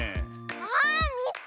ああっみつけた！